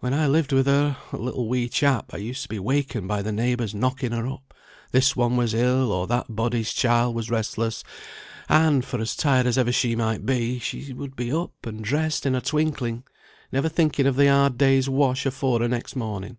When I lived with her, a little wee chap, I used to be wakened by the neighbours knocking her up; this one was ill, or that body's child was restless; and, for as tired as ever she might be, she would be up and dressed in a twinkling, never thinking of the hard day's wash afore her next morning.